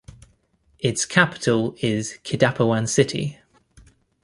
Its capital is Kidapawan City.